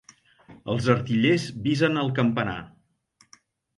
Els artillers visen el campanar.